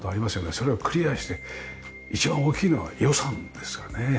それをクリアして一番大きいのは予算ですかね。